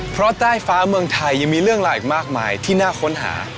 เพราะใต้ฟ้าเมืองไทยยังมีเรื่องราวอีกมากมายที่น่าค้นหา